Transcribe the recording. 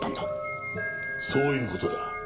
そういう事だ。